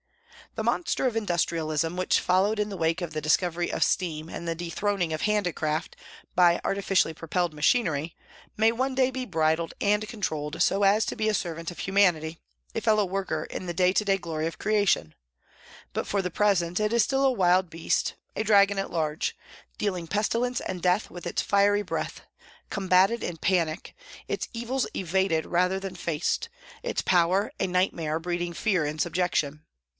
The monster of industrialism, which followed in the wake of the discovery of steam and the dethron ing of handicraft by artificially propelled machinery, may one day be bridled and controlled so as to be a servant of humanity, a fellow worker in the day to day glory of creation ; but for the present it is still a wild beast, a dragon at large, dealing pestilence and death with its fiery breath, combated in panic, its evils evaded rather than faced, its power a night mare breeding fear and subjection.